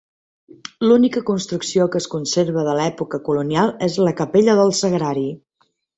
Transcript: L'única construcció que es conserva de l'època colonial és la Capella del Sagrari.